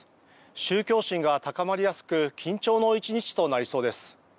宗教心が高まりやすく緊張の１日となりそうです。